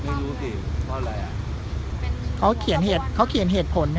ไม่รู้สิเพราะอะไรอะเขาเขียนเหตุผล